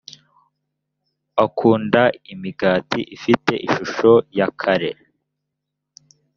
akunda imigati ifite ishusho ya kare